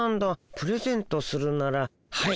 プレゼントするならはい